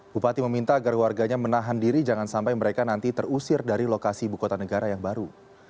bupati meminta agar warganya menahan diri jangan sampai mereka nanti terusir dari lokasi ibu kota negara yang baru